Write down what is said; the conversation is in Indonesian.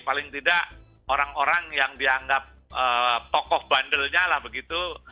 paling tidak orang orang yang dianggap tokoh bandelnya lah begitu